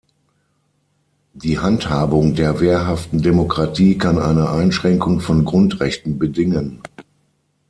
Die Handhabung der wehrhaften Demokratie kann eine Einschränkung von Grundrechten bedingen.